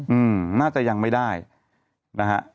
อืมน่าจะยังไม่ได้นะฮะ